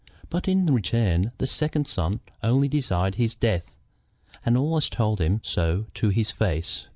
But in return the second son only desired his death, and almost told him so to his face.